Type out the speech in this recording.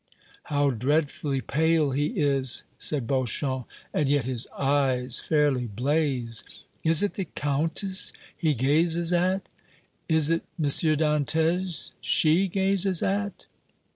"How dreadfully pale he is!" said Beauchamp; "and yet his eyes fairly blaze. Is it the Countess he gazes at?" "Is it M. Dantès she gazes at?"